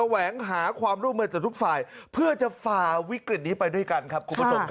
แหวงหาความร่วมเมืองจากทุกฝ่ายเพื่อจะฟาวิกฤตนี้ไปด้วยกันครับ